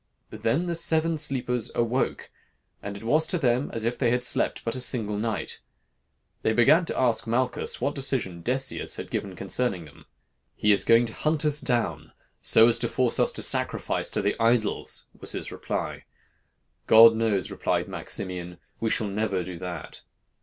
Then the seven sleepers awoke, and it was to them as if they had slept but a single night. They began to ask Malchus what decision Decius had given concerning them. "'He is going to hunt us down, so as to force us to sacrifice to the idols,' was his reply. 'God knows,' replied Maximian, 'we shall never do that.'